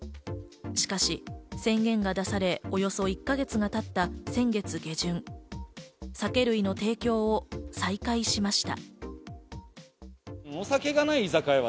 宣言が出されおよそ１か月がたった先月下旬、酒類の提供を再開しました。